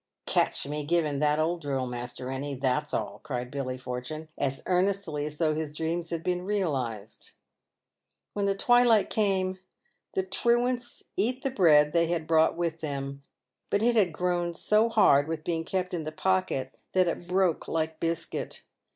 " Catch me giving that old drill master any, that's all," cried Billy Fortune, as earnestly as though his dreams had been realised. When the twilight came, the truants eat the bread they had brought with them, but it had grown so hard with being kept in the pocket that it broke like biscuit.